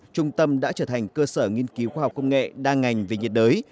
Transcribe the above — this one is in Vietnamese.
trung tâm đã trở thành cơ sở nghiên cứu khoa học công nghệ đa ngành về nhiệt đới